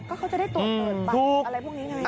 ก็เขาจะได้ตรวจบัตรอะไรพวกนี้ไง